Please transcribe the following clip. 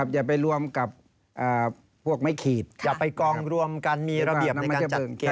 อย่าไปรวมกับพวกไม้ขีดอย่าไปกองรวมกันมีระเบียบในการจัดเกม